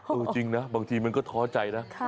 จริงนะบางทีมันก็ท้อใจนะ